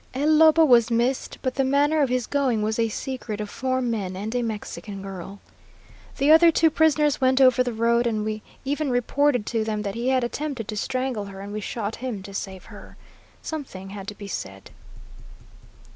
El Lobo was missed, but the manner of his going was a secret of four men and a Mexican girl. The other two prisoners went over the road, and we even reported to them that he had attempted to strangle her, and we shot him to save her. Something had to be said."